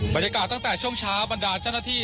บรรยากาศตั้งแต่ช่วงเช้าบรรดาเจ้าหน้าที่